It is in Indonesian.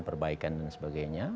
perbaikan dan sebagainya